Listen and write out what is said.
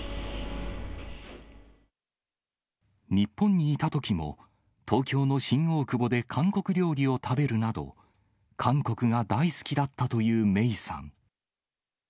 日本にいたときも、東京の新大久保で韓国料理を食べるなど、韓国が大好きだったという芽生さん。